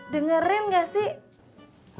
dengerin gak sih